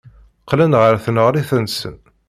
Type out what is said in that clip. Qqlen ɣer tneɣrit-nsen.